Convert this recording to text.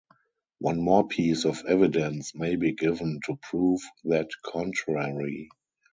One more piece of evidence may be given to prove the contrary.